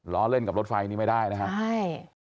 ล้อเล่นกับรถไฟนี้ไม่ได้นะครับ